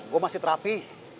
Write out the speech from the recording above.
gue masih terapi